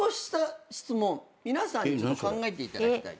皆さんに考えていただきたいと。